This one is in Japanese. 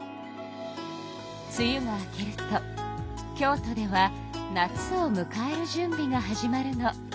つゆが明けると京都では夏をむかえるじゅんびが始まるの。